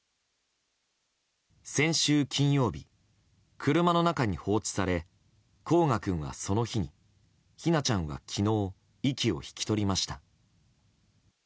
先週金曜日、車の中に放置され煌翔君はその日に姫梛ちゃんが昨日息を引き取りました。